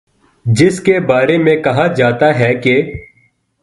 جس کے بارے میں کہا جاتا ہے کہ